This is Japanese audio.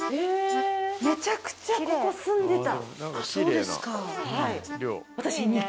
めちゃくちゃここ住んでた。